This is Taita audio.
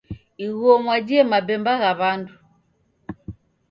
Iguo mwajie mabemba gha w'andu.